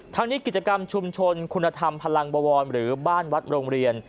ทั้งนี้กิจกรรมชุมชนคุณธรรมพลังบวรหรือบ้านวัดโรงเรียน